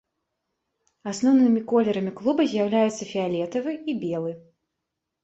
Асноўнымі колерамі клуба з'яўляюцца фіялетавы і белы.